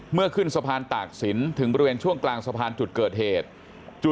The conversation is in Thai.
ขึ้นสะพานตากศิลป์ถึงบริเวณช่วงกลางสะพานจุดเกิดเหตุ